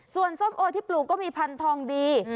ส่วนส้มโอที่ปลูกก็มีพันธองดี